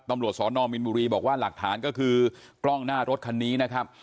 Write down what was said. ตำรวจสอนอมมินบุรีบอกว่าหลักฐานก็คือกล้องหน้ารถคันนี้นะครับ